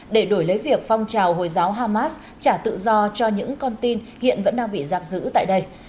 để đổi lấy việc phong trào hồi giáo hamas trả tự do cho những con tin hiện vẫn đang bị giạp giữ tại đây